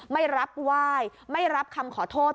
ไม่รับไหว้ไม่รับคำขอโทษ